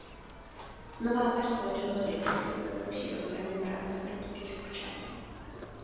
Nová verze dohody poskytuje lepší ochranu práv evropských občanů.